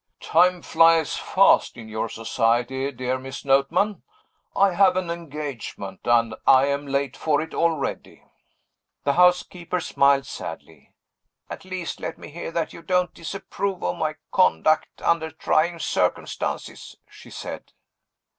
"Time flies fast in your society, dear Miss Notman. I have an engagement and I am late for it already." The housekeeper smiled sadly. "At least let me hear that you don't disapprove of my conduct under trying circumstances," she said.